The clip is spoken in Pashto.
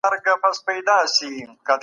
نړیوال قوانین د ټولو ملتونو حقوق خوندي کوي.